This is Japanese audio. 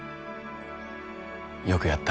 よくやった。